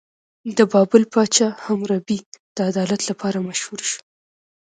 د بابل پاچا حموربي د عدالت لپاره مشهور شو.